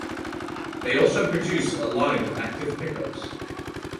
They also produce a line of active pickups.